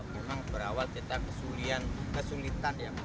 memang berawat kita kesulian kesulitan ya pak